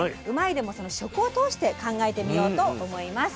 でもその食を通して考えてみようと思います。